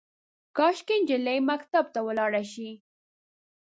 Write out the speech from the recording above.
کاشکي، نجلۍ مکتب ته ولاړه شي